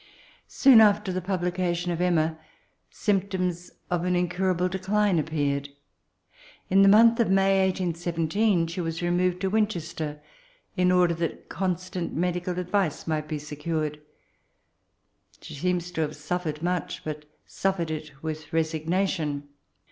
Soon after tbe publication of Emma^^ symptoms of an incurable dedioe appeared. In the month of May 1817 she was removed to Wincheeter, in order that constant medical advice might be secured. She seems to have suficred much, but suffered it with resignation.